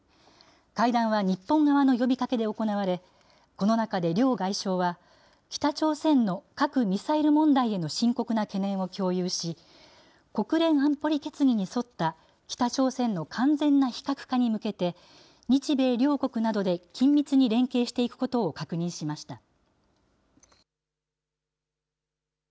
会談は日本側の呼びかけで行われ、この中で両外相は、北朝鮮の核・ミサイル問題への深刻な懸念を共有し、国連安保理決議に沿った北朝鮮の完全な非核化に向けて、日米両国などで緊密に連携していくことを確認しました。